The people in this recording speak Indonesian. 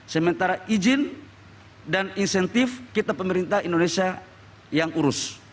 sementara izin dan insentif kita pemerintah indonesia yang urus